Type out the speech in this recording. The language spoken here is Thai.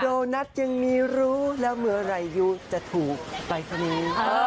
โดดนัทยังมีรู้แล้วเมื่อไหร่ยุทธ์จะถูกไปซะนี้